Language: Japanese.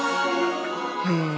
へえ。